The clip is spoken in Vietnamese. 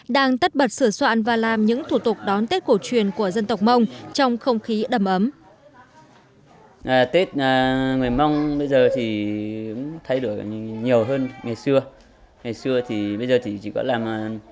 đang tất bật sửa soạn và làm những thủ tục đón tết cổ truyền của dân tộc mông trong không khí đầm ấm